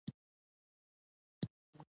ترسره کړئ، زما امت ، خوږ پیغمبر